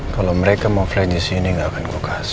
kalau mereka mau flash disini ga akan kukasih